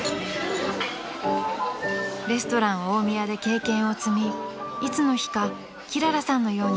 ［レストラン大宮で経験を積みいつの日かきららさんのようになりたい］